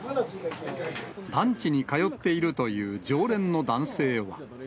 ランチに通っているという常連の男性は。